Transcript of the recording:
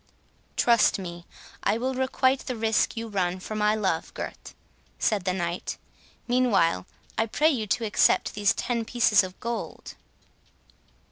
"Trust me, I will requite the risk you run for my love, Gurth," said the Knight. "Meanwhile, I pray you to accept these ten pieces of gold."